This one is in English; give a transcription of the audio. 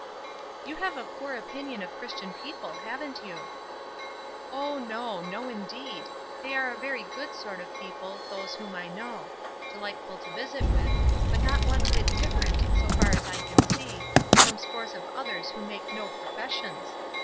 "You have a poor opinion of Christian people, haven't you?" " Oh, no — no indeed. They are a very good sort of people, those whom I know: delightful to visit with, but not one whit different, so far as I can see, from scores of others who make no professions.